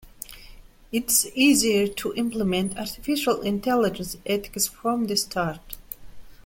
It is easier to implement Artificial Intelligence ethics from the start.